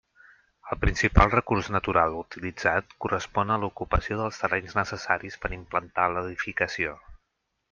El principal recurs natural utilitzat correspon a l'ocupació dels terrenys necessaris per implantar l'edificació.